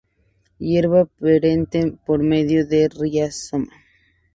Hierba perenne por medio de rizoma.